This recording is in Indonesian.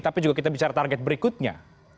tapi juga kita bicara target berikutnya